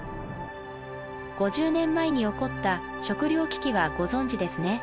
５０年前に起こった食料危機はご存じですね？